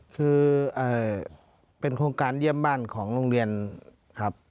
คือเป็นโครงการเยี่ยมบ้านของโรงเรียนครับ